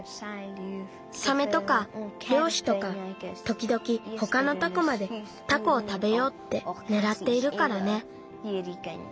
サメとかりょうしとかときどきほかのタコまでタコをたべようってねらっているからね。